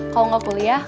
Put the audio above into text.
kalau gak kuliah